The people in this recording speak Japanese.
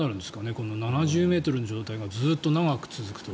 この７０ｍの状態がずっと長く続くと。